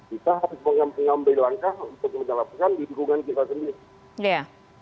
kita harus mengambil langkah untuk menjelaskan di dukungan kita sendiri